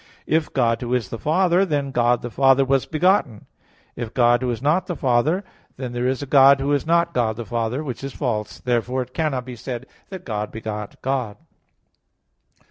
If God who is the Father, then God the Father was begotten. If God who is not the Father, then there is a God who is not God the Father: which is false. Therefore it cannot be said that "God begot God."